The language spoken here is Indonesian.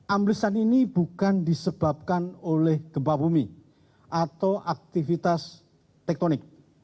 amblesan ini bukan disebabkan oleh gempa bumi atau aktivitas tektonik